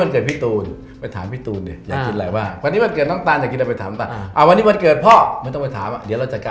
คุณว่าตลกหรือไม่ตลก